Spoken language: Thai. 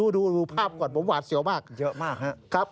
ดูภาพก่อนผมหวาดเสียวมากเยอะมากครับ